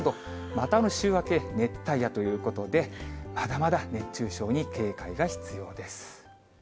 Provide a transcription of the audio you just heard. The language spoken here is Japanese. また週明け、熱帯夜ということで、まだまだ熱中症に警戒が必要です。